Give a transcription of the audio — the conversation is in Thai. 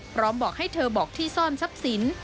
พร้อมบอกให้เธอบอกที่ซ่อนซับสิน